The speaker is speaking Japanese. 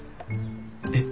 えっ？